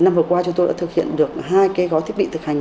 năm vừa qua chúng tôi đã thực hiện được hai cái gói thiết bị thực hành